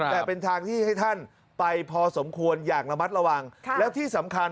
แต่เป็นทางที่ให้ท่านไปพอสมควรอย่างระมัดระวังแล้วที่สำคัญ